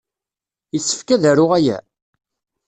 Yessefk ad aruɣ aya?